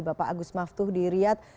bapak agus maftuh di riyad